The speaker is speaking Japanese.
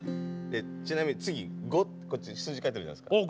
ちなみに次五ってこっち数字書いてあるじゃないですか。